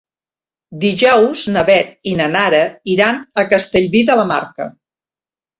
Dijous na Beth i na Nara iran a Castellví de la Marca.